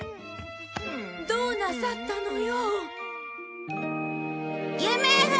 どうなさったのよ！